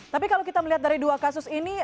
tapi kalau kita melihat dari dua kasus ini